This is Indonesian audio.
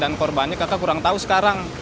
korbannya kakak kurang tahu sekarang